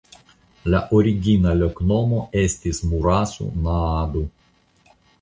La origina loknomo estis "Murasu Naadu".